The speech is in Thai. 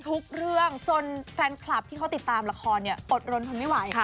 ทุกเรื่องจนแฟนคลับที่เขาติดตามละครอดรนทนไม่ไหว